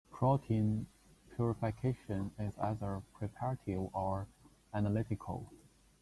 Protein purification is either "preparative" or "analytical".